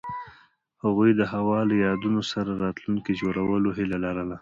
هغوی د هوا له یادونو سره راتلونکی جوړولو هیله لرله.